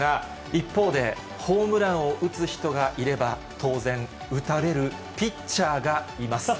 一方で、ホームランを打つ人がいれば、当然、打たれるピッチャーがいます。